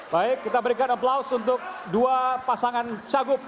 baik kita berikan aplaus untuk dua pasangan cagup